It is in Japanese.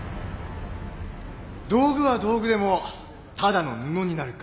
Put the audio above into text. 道具は道具でもただの布になるか